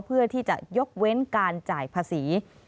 เพื่อที่จะยกเว้นการจ่ายภาษี